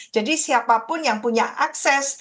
jadi siapapun yang punya akses